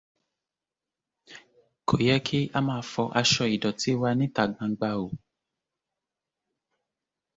Kò yẹ kí á máa fọ aṣọ ìdọ̀tí wa níta gbangba o.